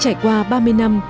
trải qua ba mươi năm